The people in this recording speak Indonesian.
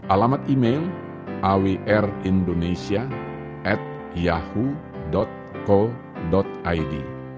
alamat email awrindonesia at yahoo co id